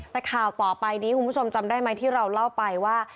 แต่ข่าวต่อไปนี้คุณผู้ชมจำได้ไหมที่เราเล่าไปว่า